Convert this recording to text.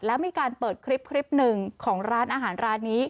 แล้วมีการเปิดคลิปหนึ่งของร้านอาหารร้านนี้